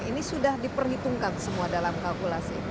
ini sudah diperhitungkan semua dalam kalkulasi